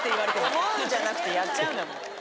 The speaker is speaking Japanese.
思うんじゃなくてやっちゃうんだもん。